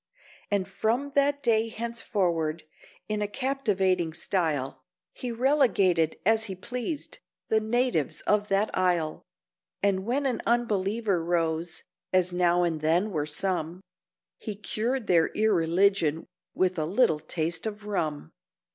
And from that day henceforward, in a captivating style, He relegated, as he pleased, the natives of that isle; And when an unbeliever rose—as now and then were some, He cured their irreligion with a little taste of rum.